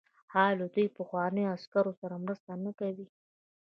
آیا دوی له پخوانیو عسکرو سره مرسته نه کوي؟